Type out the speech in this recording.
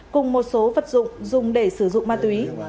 cùng một số vật dụng dùng để sử dụng ma túy